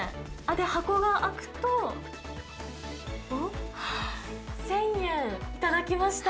箱が開くと、おっ、１０００円頂きました。